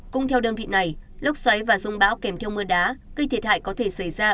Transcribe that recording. cũng theo đơn vị này lốc xoáy và rông bão kèm theo mưa đá gây thiệt hại có thể xảy ra